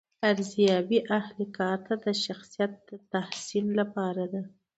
ارزیابي اهل کار ته د شخصیت د تحسین لپاره ده.